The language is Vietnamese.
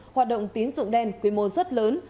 hoạt động tín dụng đen quy mô rất lớn